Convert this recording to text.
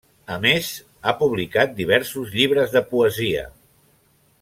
A més ha publicat diversos llibres de poesia.